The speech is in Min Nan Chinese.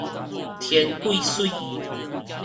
天癸水